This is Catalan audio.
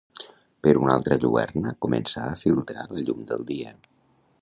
Per una alta lluerna comença a filtrar la llum del dia.